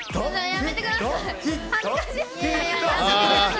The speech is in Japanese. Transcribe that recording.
やめてください。